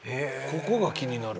ここが気になるわ。